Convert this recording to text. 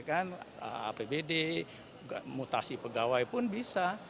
apbd mutasi pegawai pun bisa